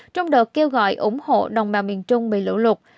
trong đợt kêu gọi ủng hộ đồng bào miền trung bị lũ lụt